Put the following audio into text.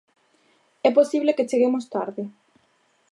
É posible que cheguemos tarde.